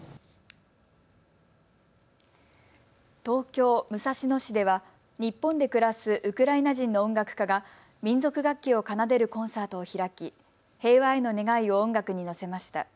東京武蔵野市では日本で暮らすウクライナ人の音楽家が民族楽器を奏でるコンサートを開き、平和への願いを音楽にのせました。